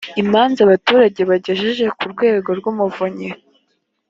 imanza abaturage bagejeje ku urwego rw’umuvunyi